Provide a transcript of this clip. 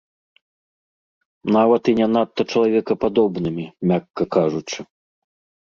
Нават і не надта чалавекападобнымі, мякка кажучы.